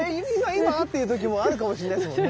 今？っていう時もあるかもしんないですもんね。